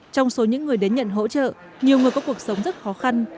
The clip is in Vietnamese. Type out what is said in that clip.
trong số những người đến nhận hỗ trợ nhiều người có cuộc sống rất khó khăn